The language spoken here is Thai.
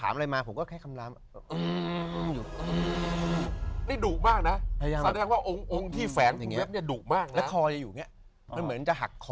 มีแค่คำลามอยู่ในคอ